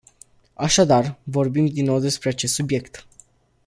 Așadar, vorbim din nou despre acest subiect.